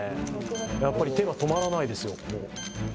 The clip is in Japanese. やっぱり手が止まらないですよ